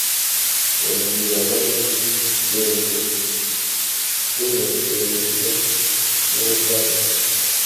Omuntu aba na kyenyi ate olwo ensolo zo ne ziba na bwanga.